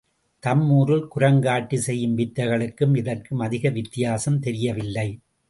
தம் ஊரில் குரங்காட்டி செய்யும் வித்தைகளுக்கும் இதற்கும் அதிக வித்தியாசம் தெரியவில்லை.